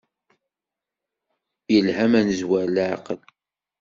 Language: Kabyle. Yelha ma nezwer leɛqel.